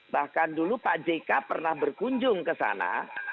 bahkan dulu pak jk pernah berkunjung ke sana